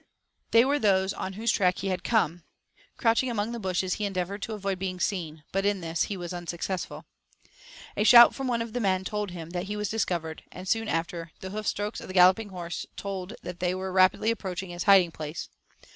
They were those on whose track he had come. Crouching among the bushes, he endeavoured to avoid being seen; but in this he was unsuccessful. A shout from one of the men told him that he was discovered, and soon after the hoof strokes of the galloping horse told that they were rapidly approaching his hiding place.